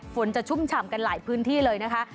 ฝนจะชุ่มฉ่ำกันหลายพื้นที่เลยนะคะ